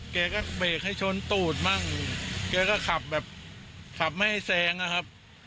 แกก็เบรกให้ชนตูดมั่งแกก็ขับแบบขับไม่ให้แซงอะครับ